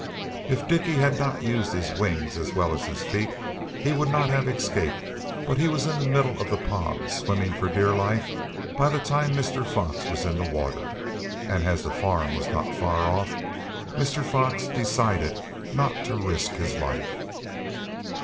If Dicky had not used his wings as well as his feet he would not have escaped, but he was in the middle of the pond, swimming for dear life, by the time Mr. Fox was in the water, and as the farm was not far off Mr. Fox decided not to risk his life.